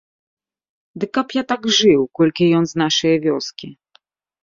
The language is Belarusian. Ды каб я так жыў, колькі ён з нашае вёскі.